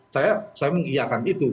saya mengiyakan itu